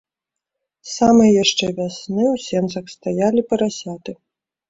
З самай яшчэ вясны ў сенцах стаялі парасяты.